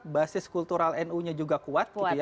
basis kultural nu nya juga kuat gitu ya